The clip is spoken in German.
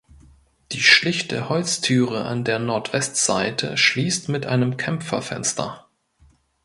Die schlichte Holztüre an der Nordwestseite schließt mit einem Kämpferfenster.